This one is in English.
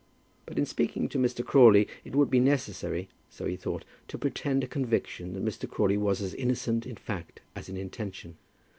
But in speaking to Mr. Crawley, it would be necessary, so he thought, to pretend a conviction that Mr. Crawley was as innocent in fact as in intention.